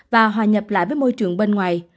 và hòa nhập lại với môi trường bên ngoài